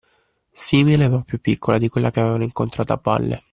Simile, ma più piccola, di quella che avevano incontrato a valle